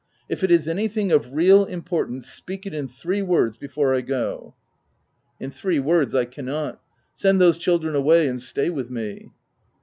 " If it is anything of real importance, speak it in three words before I go." " In three words I cannot. Send those child ren away, and stay with me."